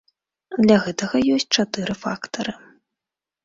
Для гэтага ёсць чатыры фактары.